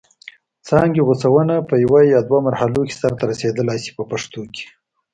څانګې غوڅونه په یوه یا دوه مرحلو کې سرته رسیدلای شي په پښتو کې.